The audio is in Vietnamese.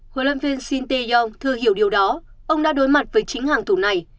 hồ lâm viên sinteyong thừa hiểu điều đó ông đã đối mặt với chính hàng thủ này